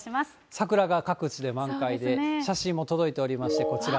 桜が各地で満開で、写真も届いておりまして、こちら。